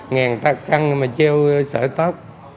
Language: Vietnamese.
ngàn tắc căng mà treo sợi tóc